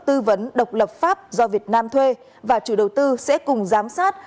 tư vấn độc lập pháp do việt nam thuê và chủ đầu tư sẽ cùng giám sát